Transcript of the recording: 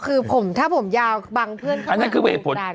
คือผมถ้าผมยาวบังเพื่อนข้างหลังดูกระดานได้